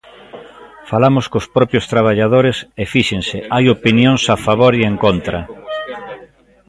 Falamos cos propios traballadores, e, fíxense, hai opinións a favor e en contra.